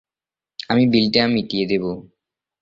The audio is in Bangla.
আমি বিলটা মিটিয়ে দেব।